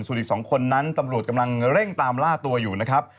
ส่วนอีก๒คนนั้นตำรวจกำลังเร่งตามล่าตัวอยู่นะครับ